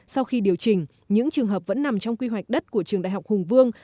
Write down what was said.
sau khi điều chỉnh những trường hợp vẫn nằm trong quy hoạch đất của trường đại học hùng vương